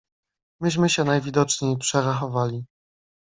"Myśmy się najwidoczniej przerachowali."